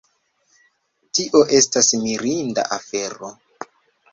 Tio estas mirinda afero